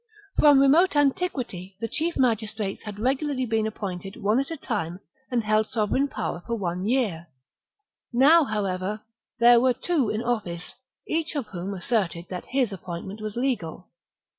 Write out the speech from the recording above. From remote antiquity the chief magistrates had regularly been appointed one at a time and held sovereign power for one year ; now, how 230 THE REBELLION BOOK 52 B.C. ever, there were two in office, each of whom asserted that his appointment was legal.